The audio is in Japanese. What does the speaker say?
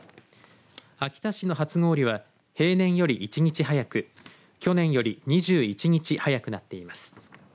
秋田市の初氷は平年より１日早く去年より２１日早くなっています。